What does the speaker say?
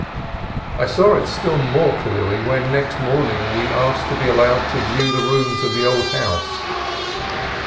I saw it still more clearly when next morning we asked to be allowed to view the rooms of the old house.